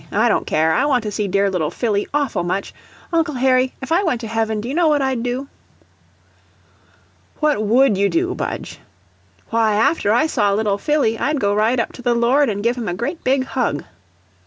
I don't care; I want to see dear little Phillie AWFUL much. Uncle Harry, if I went to heaven, do you know what I'd do?" "What WOULD you do, Budge?" "Why, after I saw little Phillie, I'd go right up to the Lord an' give him a great big hug."